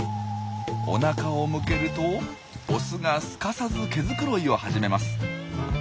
おなかを向けるとオスがすかさず毛繕いを始めます。